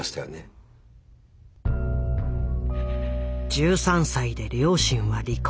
１３歳で両親は離婚。